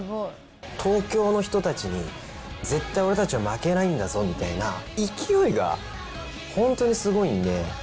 東京の人たちに、絶対俺たちは負けないんだぞみたいな勢いが、本当にすごいんで。